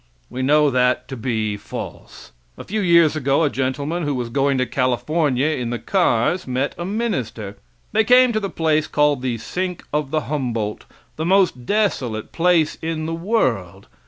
We know that to be false. A few years ago a gentleman who was going to California in the cars met a minister. They came to the place called the Sink of the Humboldt, the most desolate place in the world.